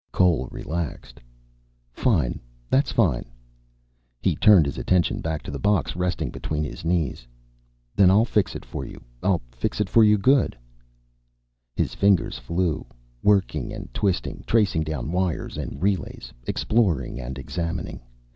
Cole relaxed. "Fine. That's fine." He turned his attention back to the box resting between his knees. "Then I'll fix it for you. I'll fix it for you good." His fingers flew, working and twisting, tracing down wires and relays, exploring and examining.